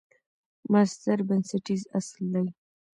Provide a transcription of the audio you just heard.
مصدر بنسټیز اصل دئ.